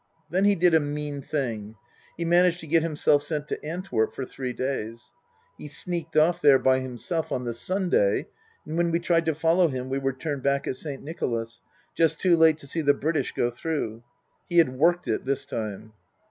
Then he did a mean thing. He managed to get himself sent to Antwerp for three days. He sneaked off there by himself on the Sunday, and when we tried to follow him we were turned back at Saint Nicolas, just too late to see the British go through. He had worked it this time.